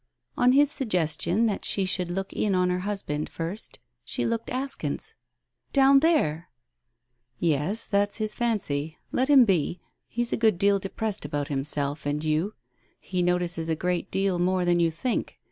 On his suggestion that she should look in) on her husband first she looked askance. "Down there!" "Yes, that's his fancy. Let him be. He is a good deal depressed about himself and you. He notices a great deal more than you think.